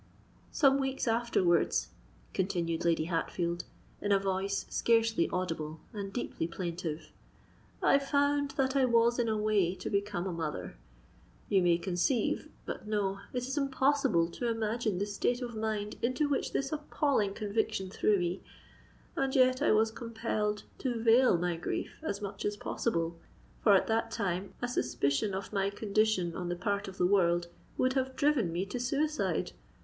"Some weeks afterwards," continued Lady Hatfield, in a voice scarcely audible and deeply plaintive, "I found that I was in a way to become a mother. You may conceive——But no: it is impossible to imagine the state of mind into which this appalling conviction threw me. And yet I was compelled to veil my grief as much as possible;—for at that time a suspicion of my condition on the part of the world, would have driven me to suicide.